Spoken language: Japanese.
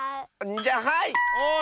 じゃあはい！